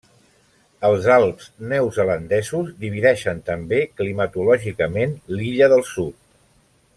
Els Alps Neozelandesos divideixen també climatològicament l'Illa del Sud.